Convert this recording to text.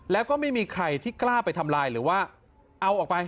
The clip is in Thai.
แล้วก็ไม่มีใครที่กล้าไปทำลายหรือว่าเอาออกไป